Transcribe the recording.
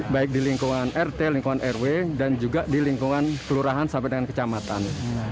baik di lingkungan rt lingkungan rw dan juga di lingkungan kelurahan sampai dengan kecamatan